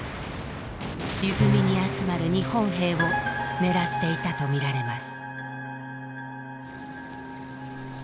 泉に集まる日本兵を狙っていたとみられます。